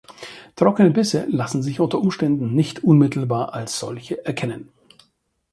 Trockene Bisse lassen sich unter Umständen nicht unmittelbar als solche erkennen.